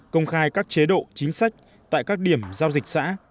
công khai các chế độ chính sách tại các điểm giao dịch xã